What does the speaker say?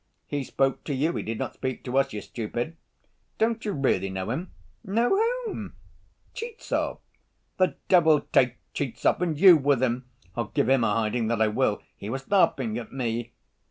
He spoke to you, he did not speak to us, you stupid. Don't you really know him?" "Know whom?" "Tchizhov." "The devil take Tchizhov and you with him. I'll give him a hiding, that I will. He was laughing at me!"